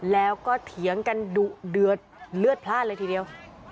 แล้วก็เถียงกันดุเดือดเลือดพลาดเลยทีเดียว